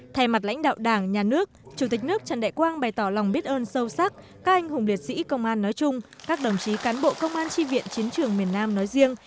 thay mặt lãnh đạo đảng nhà nước chủ tịch nước trần đại quang bày tỏ lòng biết ơn sâu sắc các anh hùng liệt sĩ công an nói chung các đồng chí cán bộ công an tri viện chiến trường miền nam nói riêng